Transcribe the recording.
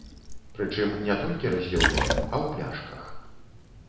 Прычым не толькі разліўное, а ў пляшках.